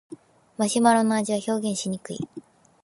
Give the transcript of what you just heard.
マシュマロの味は表現しにくい